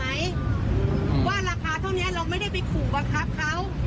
ว่าราคาเท่านี้เราไม่ได้ไปขู่บังคับเขา